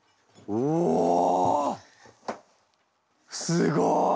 すごい！